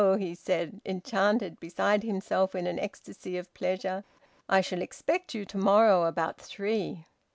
he said, enchanted, beside himself in an ecstasy of pleasure. "I shall expect you to morrow about three."